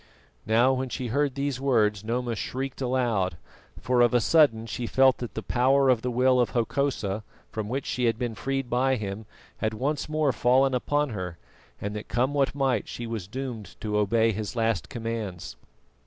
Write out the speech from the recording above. Now, when she heard these words Noma shrieked aloud, for of a sudden she felt that the power of the will of Hokosa, from which she had been freed by him, had once more fallen upon her, and that come what might she was doomed to obey his last commands.